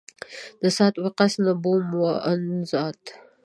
د سعد وقاص نه بوم و او نه زاد.